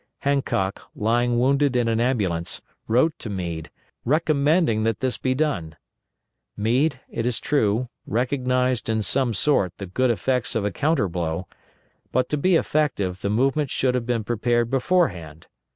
Hancock, lying wounded in an ambulance, wrote to Meade, recommending that this be done. Meade, it is true, recognized in some sort the good effects of a counter blow; but to be effective the movement should have been prepared beforehand.